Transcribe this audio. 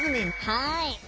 はい。